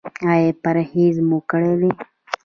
ایا پرهیز مو کړی دی؟